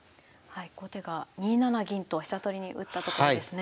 後手が２七銀と飛車取りに打ったところですね。